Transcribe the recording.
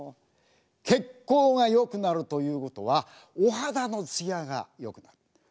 血行がよくなるということはお肌の艶がよくなる。